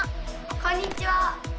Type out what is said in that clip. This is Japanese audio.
こんにちは！